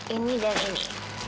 ini dan ini